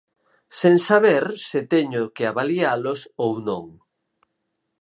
Sen saber se teño que avalialos ou non.